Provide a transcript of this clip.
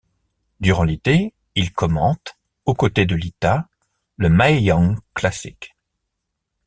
Durant l'été il commente, aux côtés de Lita, le Mae Young Classic.